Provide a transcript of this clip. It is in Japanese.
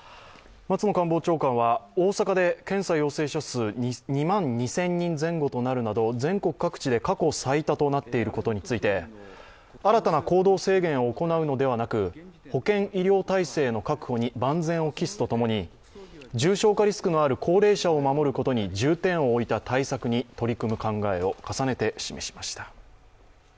松野官房長官は大阪で検査陽性者数、２万２０００人前後となるなど全国各地で過去最多となっていることについて新たな行動制限を行うのではなく保健医療体制の確保に万全を期すと共に重症化リスクのある高齢者を守ることに重点を置いた対策に取り組む考えを重ねて示しました。